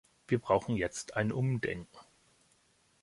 Wir brauchen jetzt ein Umdenken.